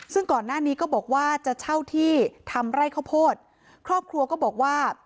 ซึ่งก่อนหน้านี้ก็บอกว่าจะเช่าที่ทำไร่ข้าวโพดครอบครัวก็บอกว่า